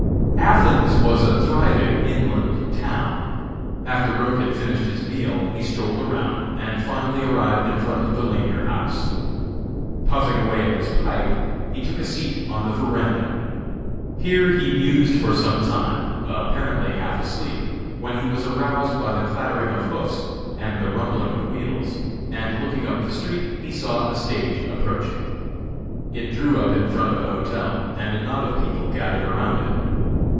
Athens was a thriving inland town. After Roch had finished his meal he strolled around, and finally arrived in front of the Lanier House. Puffing away at his pipe, he took a seat on the verandah. Here he mused for some time, apparently half asleep, when he was aroused by the clattering of hoofs and the rumbling of wheels, and looking up the street he saw a stage approaching. It drew up in front of the hotel, and a knot of people gathered around it.